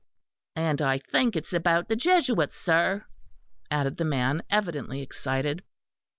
"And I think it is about the Jesuits, sir," added the man, evidently excited.